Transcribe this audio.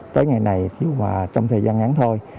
tới ngày này trong thời gian ngắn thôi